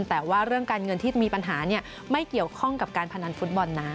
แต่ว่าเรื่องการเงินที่มีปัญหาไม่เกี่ยวข้องกับการพนันฟุตบอลนะ